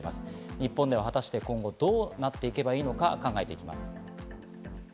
日本では果たして、今後どうなっていけばいいのか考えていきます。